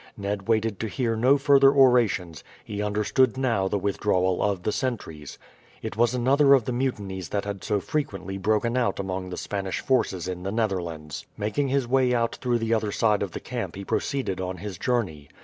Ned waited to hear no further orations, he understood now the withdrawal of the sentries. It was another of the mutinies that had so frequently broken out among the Spanish forces in the Netherlands. Making his way out through the other side of the camp he proceeded on his journey.